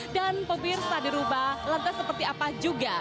dan pebirsa dirubah lantas seperti apa juga